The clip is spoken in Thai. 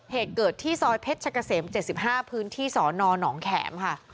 เหตุเกิดที่ซอยเพชรกะเสม๗๕พื้นที่สนหนองแขมค่ะ